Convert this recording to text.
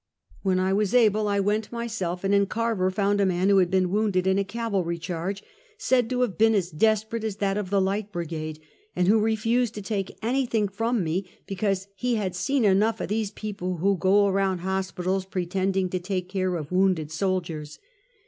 "When able I went myself, and in Carver found a man who had been wounded in a cavalry charge, said to have been as desperate as that of "the Light Brigade; " and who refused to take any thing from me, because he had " seen enough of these people who go around hospitals pretending to take care of wounded soldiers."